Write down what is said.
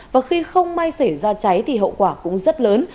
và khi không may xảy ra cháy thì hậu quả cũng rất lớn